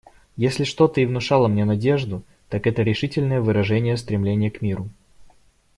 Если что-то и внушило мне надежду, так это решительное выражение стремления к миру.